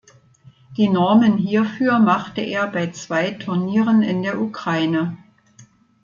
Die Normen hierfür machte er bei zwei Turnieren in der Ukraine.